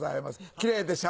キレイでしょ？